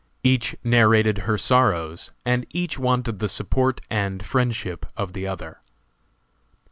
Each narrated her sorrows, and each wanted the support and friendship of the other.